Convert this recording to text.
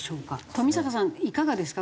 冨坂さんいかがですか？